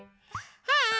はい！